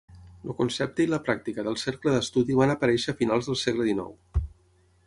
El concepte i la pràctica del cercle d'estudi van aparèixer a finals del segle XIX.